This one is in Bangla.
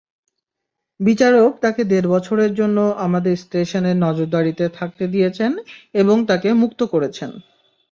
বিচারক তাকে দের বছরের জন্য আমাদের স্টেশনের নজরদারিতে থাকতে দিয়েছেন এবং তাকে মুক্ত করেছেন।